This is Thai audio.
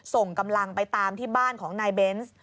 ส่งกำลังไปตามที่บ้านของนายเบนส์